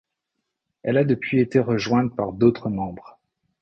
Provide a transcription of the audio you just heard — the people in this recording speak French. Elle a depuis été rejointe par d'autres membres.